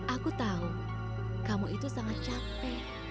aku tahu kamu itu sangat capek